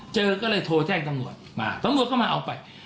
เจอก็เลยโทรแจ้งตำรวจมาตำรวจเข้ามาเอาไป